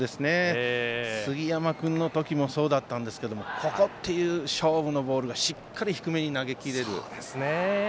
杉山君の時もそうだったんですがここっていう勝負のボールがしっかり低めに投げきれる。